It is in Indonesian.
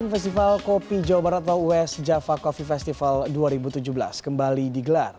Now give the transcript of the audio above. festival kopi jawa barat atau west java coffee festival dua ribu tujuh belas kembali digelar